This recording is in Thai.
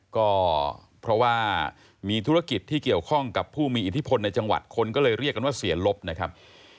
ก็เพราะว่ามีธุรกิจที่เกี่ยวข้องกับผู้มีอิทธิพลในจังหวัดคนก็เลยเรียกกันว่าเสียลบนะครับ